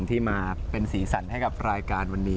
ที่มาเป็นสีสันให้กับรายการวันนี้